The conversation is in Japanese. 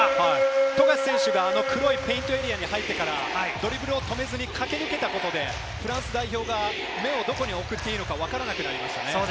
富樫選手が黒いペイントエリアに入ってからドリブルを止めずに駆け抜けたことで、フランス代表が目をどこに送っていいのかわからなくなりましたね。